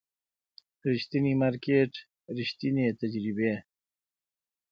ریښتینی مارکیټ، ریښتینې تجربې